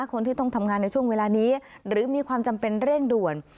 คนที่ต้องทำงานในช่วงเวลานี้หรือมีความจำเป็นเร่งด่วน